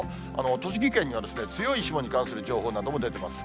栃木県には強い霜に関する情報なども出てます。